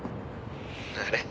あれ？